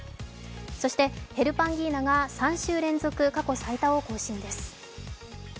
そしてヘルパンギーナが３週連続過去最多を更新です。